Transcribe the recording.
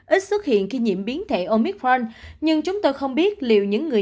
ít xuất hiện khi nhiễm biến thể omitforn nhưng chúng tôi không biết liệu những người